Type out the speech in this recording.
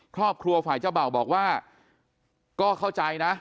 ครอบครัวฝ่ายเจ้าเบ่าบอกว่าก็เข้าใจนะ